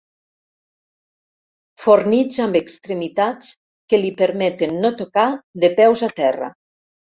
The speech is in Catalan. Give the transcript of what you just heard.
Fornits amb extremitats que li permeten no tocar de peus a terra.